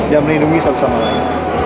dan melindungi satu sama lain